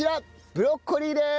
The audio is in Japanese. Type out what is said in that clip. ブロッコリーです！